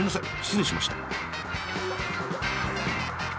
失礼しました。